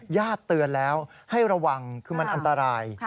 เตือนแล้วให้ระวังคือมันอันตราย